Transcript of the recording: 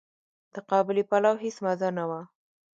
د قابلي پلو هيڅ مزه نه وه.